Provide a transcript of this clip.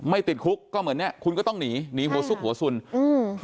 ติดคุกก็เหมือนเนี้ยคุณก็ต้องหนีหนีหัวซุกหัวสุนอืม